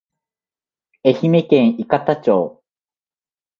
愛媛県伊方町